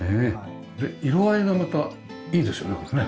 で色合いがまたいいですよねこれね。